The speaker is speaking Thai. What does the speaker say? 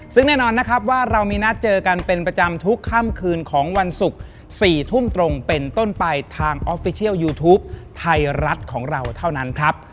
ซึ่งแน่นอนนะครับว่าเรามีนัดเจอกันเป็นประจำทุกค่ำคืนของวันศุกร์๔ทุ่มตรงเป็นต้นไปทางออฟฟิเชียลยูทูปไทยรัฐของเราเท่านั้นครับ